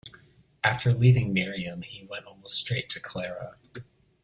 After leaving Miriam he went almost straight to Clara.